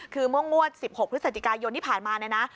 คือเมื่องวด๑๖พฤศจิกายนที่ผ่านมาเนี่ยนะ